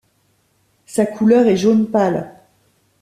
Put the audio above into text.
Sa couleur est jaune pâle.